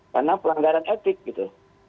karena pelanggaran etik gitu